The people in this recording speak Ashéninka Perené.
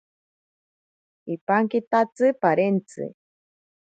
Ipankitatsi parentzi.